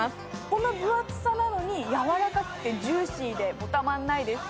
この分厚さなのに柔らかくてジューシーでもうたまらないです。